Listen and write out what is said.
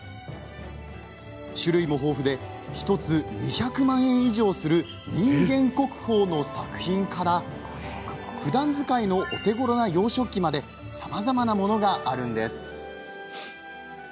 種類も豊富で１つ２００万円以上する人間国宝の作品からふだん使いのお手ごろな洋食器までさまざまなものがあるんです。